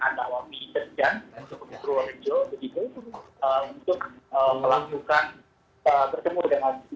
anda wami desjan purworejo untuk melakukan pertemuan dengan